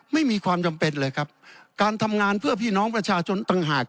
ไม่มีความจำเป็นเลยครับการทำงานเพื่อพี่น้องประชาชนต่างหาก